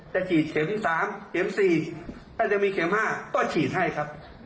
จะฉีดเข็ม๓เข็ม๔ถ้าจะมีเข็ม๕ก็ฉีดให้ครับ